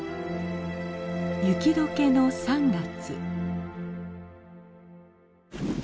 雪どけの３月。